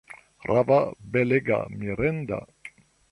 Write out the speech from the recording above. Rava, belega, mirinda!